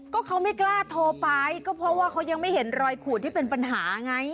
ก็เขาไม่กล้าโทรไปก็เพราะว่าเขายังไม่เห็นรอยขูดที่เป็นปัญหาไง